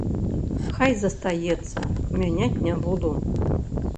Хай застаецца, мяняць не буду.